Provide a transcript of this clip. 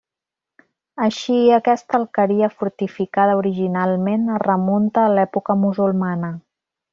Així, aquesta alqueria fortificada originalment, es remunta a l'època musulmana.